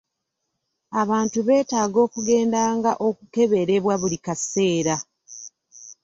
Abantu beetaaga okugendanga okukeberebwa buli kaseera.